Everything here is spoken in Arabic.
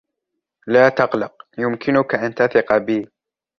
لا تقلق. يمكنك أن تثق بي.